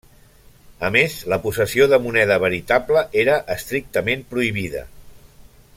A més, la possessió de moneda veritable era estrictament prohibida.